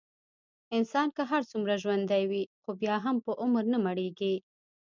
انسان که هرڅومره ژوندی وي، خو بیا هم په عمر نه مړېږي.